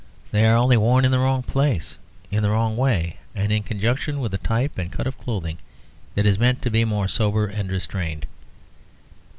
They are only worn in the wrong place, in the wrong way, and in conjunction with a type and cut of clothing that is meant to be more sober and restrained.